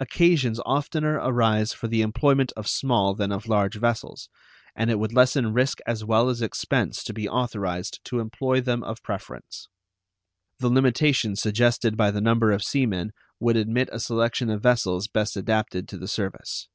Occasions oftener arise for the employment of small than of large vessels, and it would lessen risk as well as expense to be authorized to employ them of preference. The limitation suggested by the number of sea men would admit a selection of vessels best adapted to the service.